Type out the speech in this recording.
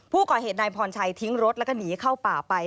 ผู้ก่อเหตุนายพรชัยทิ้งรถแล้วก็หนีเข้าป่าไป